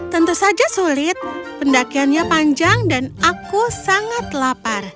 tentu saja sulit pendakiannya panjang dan aku sangat lapar